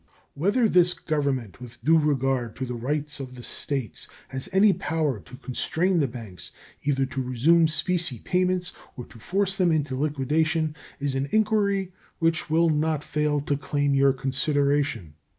Whether this Government, with due regard to the rights of the States, has any power to constrain the banks either to resume specie payments or to force them into liquidation, is an inquiry which will not fail to claim your consideration.